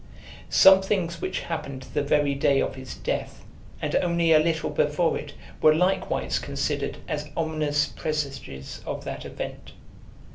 Some things which happened the very day of his death, and only a little before it, were likewise considered as ominous presages of that event.